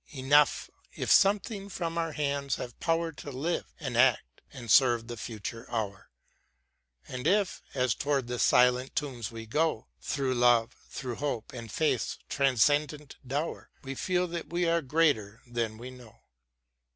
Enough, if something from our hands have power To live, and act, and serve the future hour ; And if, as toward the silent tomb we go. Through love, through hope and faith's transcendent dower. We feel that we are greater than we know.